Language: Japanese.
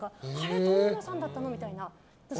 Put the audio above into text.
斗真さんだったのみたいな。